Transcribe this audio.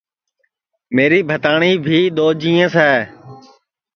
میری بھتاٹؔی بھی دؔو جینٚیس ہے